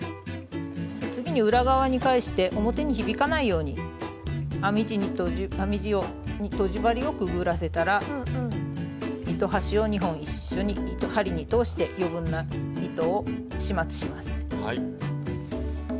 次に裏側に返して表に響かないように編み地にとじ針をくぐらせたら糸端を２本一緒に針に通して余分な糸を始末します。